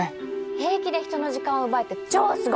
平気で人の時間を奪えて超すごい。